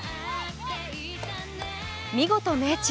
見事、命中。